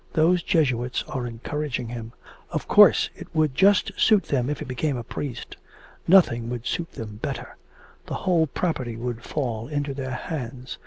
Those Jesuits are encouraging him. Of course it would just suit them if he became a priest nothing would suit them better; the whole property would fall into their hands.